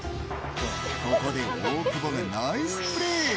ここで大久保がナイスプレー。